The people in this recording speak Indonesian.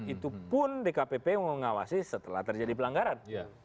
itu pun dkpp mengawasi setelah terjadi pelanggaran